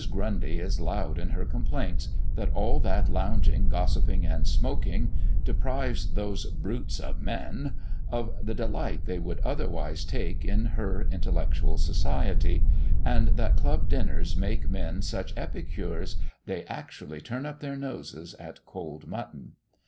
Grundy is loud in her complaints, that all that lounging, gossiping, and smoking deprives those "brutes of men" of the delight they would otherwise take in her intellectual society, and that club dinners make men such epicures, they actually turn up their noses at cold mutton.